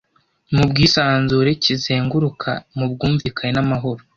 mu bwisanzure kizenguruka mu bwumvikane n’amahoro.